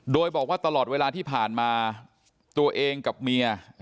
โดยบอกว่าตลอดเวลาที่ผ่านมาตัวเองกับเมีย